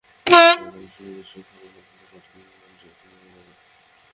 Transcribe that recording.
Test খেলার জন্য T twenty বিশ্বকাপে খেলেননি, অথচ কাল খেললেন টি-টোয়েন্টির মেজাজেই।